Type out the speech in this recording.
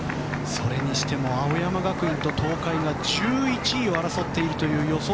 それにしても青山学院と東海が１１位を争っているという予想